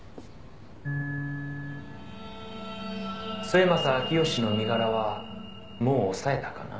「末政彰義の身柄はもう押さえたかな？」